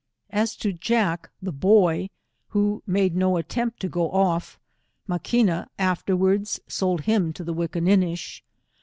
As to Jack, the boy, who made no attempt to go off, Maquina afterwards sold him to the Wickin ninish.